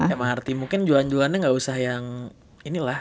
emang arti mungkin jualan jualannya gak usah yang ini lah